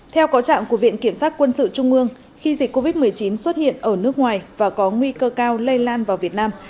theo có trạng của viện kiểm sát quân sự trung ương khi dịch covid một mươi chín xuất hiện ở nước ngoài và có nguy cơ cao lây lan vào việt nam